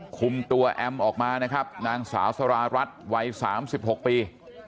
คุมตัวแอมออกมานะครับนางสาวสารารัฐวัย๓๖ปี